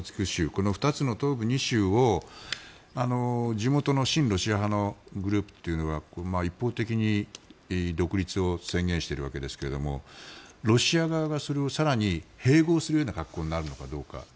この２つの東部２州を地元の親ロシア派のグループというのは一方的に独立を宣言しているわけですがロシア側がそれを更に併合するような格好になるのかどうか。